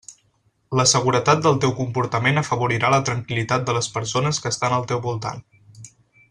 La seguretat del teu comportament afavorirà la tranquil·litat de les persones que estan al teu voltant.